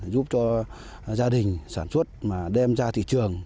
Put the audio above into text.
giúp cho gia đình sản xuất mà đem ra thị trường